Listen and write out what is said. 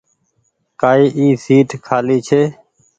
ڪآئي اي سيٽ کآلي ڇي۔